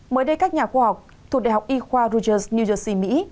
mới đây các nhà khoa học thuộc đại học y khoa roujerse new jersey mỹ